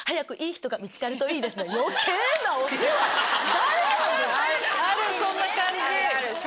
誰⁉あるそんな感じ。